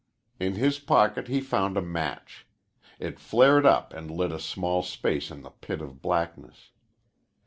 In his pocket he found a match. It flared up and lit a small space in the pit of blackness.